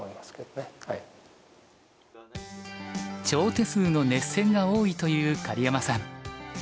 長手数の熱戦が多いという狩山さん。